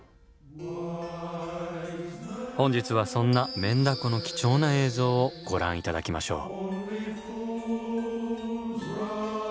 本日はそんなメンダコの貴重な映像をご覧頂きましょう。